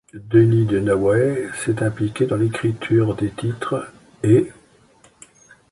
Dennis Dunaway s'est impliqué dans l'écriture des titres ' et '.